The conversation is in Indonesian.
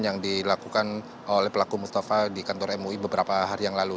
yang dilakukan oleh pelaku mustafa di kantor mui beberapa hari yang lalu